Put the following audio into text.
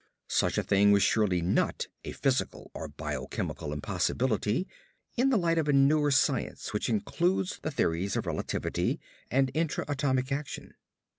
Such a thing was surely not a physical or biochemical impossibility in the light of a newer science which includes the theories of relativity and intra atomic action.